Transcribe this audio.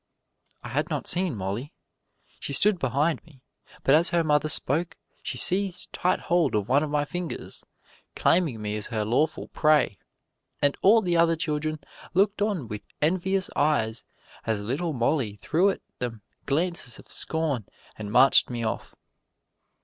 I had not seen Molly. She stood behind me, but as her mother spoke she seized tight hold of one of my fingers, claiming me as her lawful prey, and all the other children looked on with envious eyes as little Molly threw at them glances of scorn and marched me off.